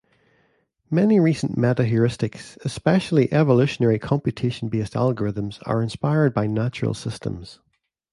Many recent metaheuristics, especially evolutionary computation-based algorithms, are inspired by natural systems.